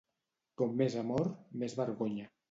Com més amor, més vergonya.